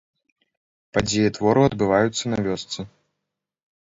Падзеі твору адбываюцца на вёсцы.